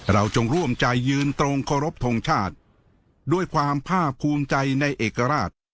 เราจงร่วมใจยืนตรงขอรบทงชาติด้วยความภาพภูมิใจในเอกลักษณ์ไทย